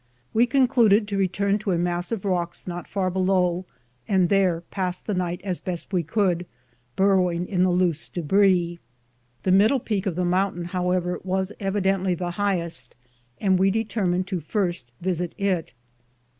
We concluded to return to a mass of rocks not far below, and there pass the night as best we could, burrowing in the loose debris. The middle peak of the mountain, however, was evi dently the highest, and we determined to first visit it.